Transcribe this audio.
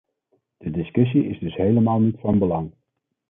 De discussie is dus helemaal niet van belang.